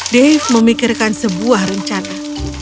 dave memikirkan sebuah rencana